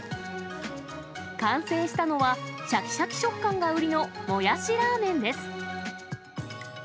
完成したのは、しゃきしゃき食感が売りのもやしラーメンです。